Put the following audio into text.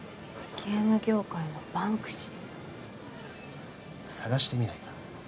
ゲーム業界のバンクシー捜してみないか？